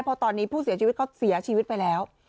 เพราะตอนนี้ผู้เสียชีวิตเขาเสียชีวิตไปแล้ว